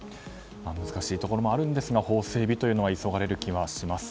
難しいところもあるんですが法整備というのは急がれる気はします。